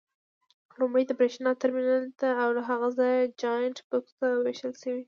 لومړی د برېښنا ترمینل ته او له هغه ځایه جاینټ بکس ته وېشل شوي.